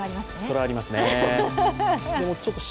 それはあります。